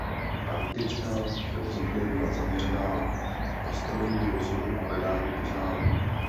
Antická filosofie byla zaměřena na postavení rozumu a hledání poznání.